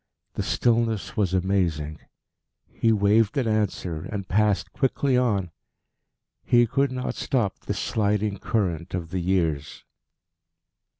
The stillness was amazing. He waved an answer, and passed quickly on. He could not stop this sliding current of the years.